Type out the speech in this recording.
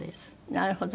なるほど。